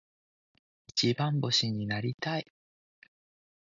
一番星になりたい。